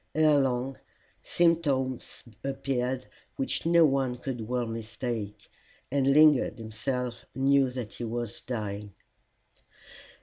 Ere long symptoms appeared which no one could well mistake, and Lingard himself knew that he was dying.